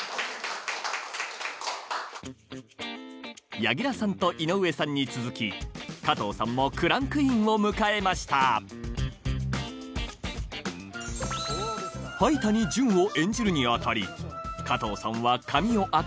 柳楽さんと井上さんに続き加藤さんもクランクインを迎えました灰谷純を演じるに当たり加藤さんは忠実によいはい！